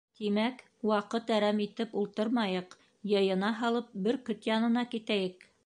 — Тимәк, ваҡыт әрәм итеп ултырмайыҡ, йыйына һалып, бөркөт янына китәйек!